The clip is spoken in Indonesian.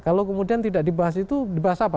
kalau kemudian tidak dibahas itu dibahas apa